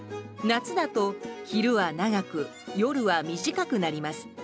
夏だと昼は長く夜は短くなります。